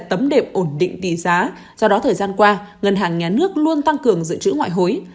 tấm đệm ổn định tỷ giá do đó thời gian qua ngân hàng nhà nước luôn tăng cường dự trữ ngoại hối